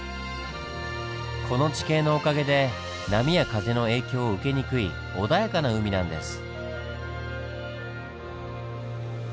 この地形のおかげで波や風の影響を受けにくい穏やかな海なんです。